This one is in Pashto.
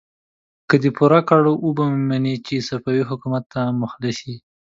که دې پوره کړ، وبه منم چې صفوي حکومت ته مخلص يې!